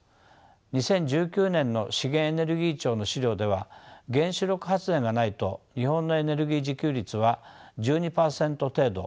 ２０１９年の資源エネルギー庁の資料では原子力発電がないと日本のエネルギー自給率は１２％程度。